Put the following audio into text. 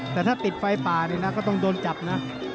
แต่ถ้าติดไฟป่านี่นะก็ต้องโดนจับนะ